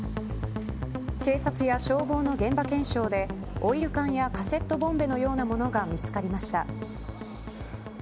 警察や消防の現場検証でオイル缶やカセットボンベのようなものが見つかりました。